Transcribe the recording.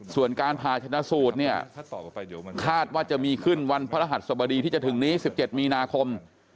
ส่วนการผ่าชนะสูตรเนี่ยคาดว่าจะมีขึ้นวันพระรหัสสบดีที่จะถึงนี้๑๗มีนาคม